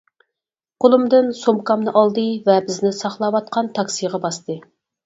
قولۇمدىن سومكامنى ئالدى ۋە بىزنى ساقلاۋاتقان تاكسىغا باستى.